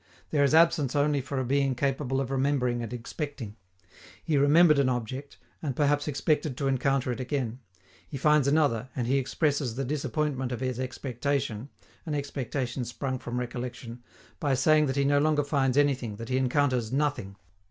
There is absence only for a being capable of remembering and expecting. He remembered an object, and perhaps expected to encounter it again; he finds another, and he expresses the disappointment of his expectation (an expectation sprung from recollection) by saying that he no longer finds anything, that he encounters "nothing."